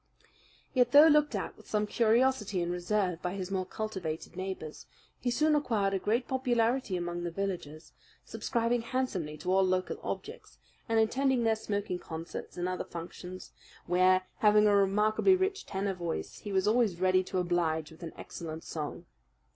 Yet, though looked at with some curiosity and reserve by his more cultivated neighbours, he soon acquired a great popularity among the villagers, subscribing handsomely to all local objects, and attending their smoking concerts and other functions, where, having a remarkably rich tenor voice, he was always ready to oblige with an excellent song.